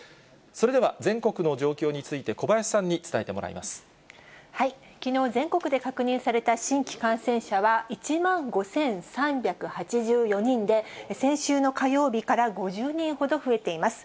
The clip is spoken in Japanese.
それでは全国の状況について、きのう、全国で確認された新規感染者は１万５３８４人で、先週の火曜日から５０人ほど増えています。